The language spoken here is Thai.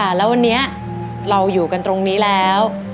แล้ววันนี้เราอยู่กันตรงนี้แล้ว